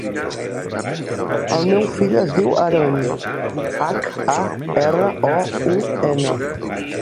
El meu fill es diu Haroun: hac, a, erra, o, u, ena.